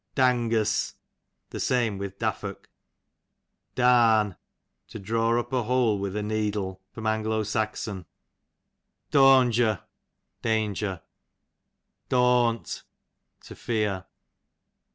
Dangus, the same with daffock. Darn, to draw up a hole with a needle. A. S. 81 Dawnger, danger. Dawnt, to fear.